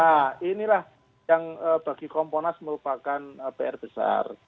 nah inilah yang bagi komponas merupakan pr besar